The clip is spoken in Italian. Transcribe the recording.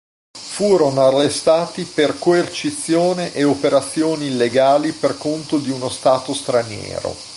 Furono arrestati per coercizione e operazioni illegali per conto di uno Stato straniero.